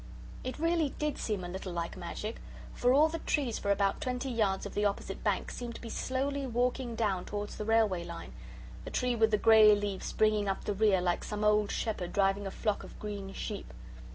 It really did seem a little like magic. For all the trees for about twenty yards of the opposite bank seemed to be slowly walking down towards the railway line, the tree with the grey leaves bringing up the rear like some old shepherd driving a flock of green sheep.